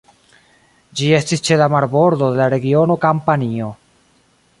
Ĝi estis ĉe la marbordo de la regiono Kampanio.